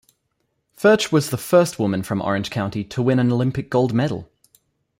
Furtsch was the first woman from Orange County to win an Olympic gold medal.